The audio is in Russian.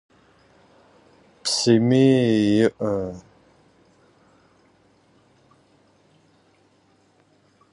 У воды также есть свой противник; врагом этого природного ресурса является глобальное потепление.